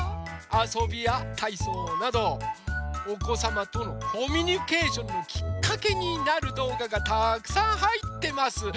あそびやたいそうなどおこさまとのコミュニケーションのきっかけになるどうががたくさんはいってます。